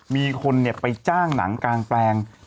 มีคนไปจ้างหนังกลางแปลง